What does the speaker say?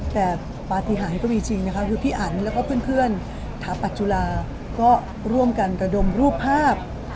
แต่ปฏิหารก็มีจริงนะคะคือพี่อันแล้วก็เพื่อนถาปัจจุฬาก็ร่วมกันระดมรูปภาพ